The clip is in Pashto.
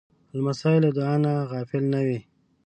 لمسی له دعا نه غافل نه وي.